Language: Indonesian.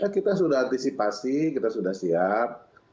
kita sudah antisipasi kita sudah siap